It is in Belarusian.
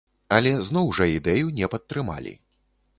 Але зноў жа ідэю не падтрымалі.